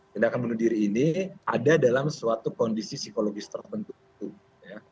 tindakan bunuh diri ini ada dalam suatu kondisi psikologis terbentuk itu ya